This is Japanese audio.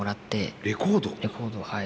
レコードをはい。